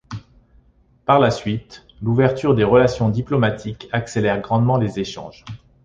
Par la suite, l'ouverture des relations diplomatiques accélère grandement les échanges.